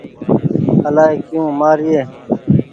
الآئي ڪيو مآر يي۔